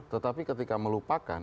tetapi ketika melupakan